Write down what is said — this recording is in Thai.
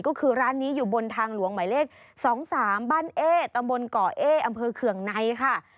ก็คือร้านนี้อยู่บนทางหลวงหมายเลข๒๓บ้านเอ๊ตำบลก่อเอ๊อำเภอเคืองในค่ะ